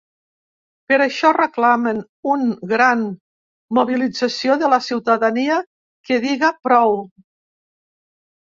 Per això reclamen un gran mobilització de la ciutadania ‘que diga prou’.